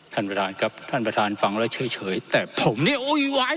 ท่านประธานครับท่านประธานฟังแล้วเฉยแต่ผมเนี่ยอุ้ยวาย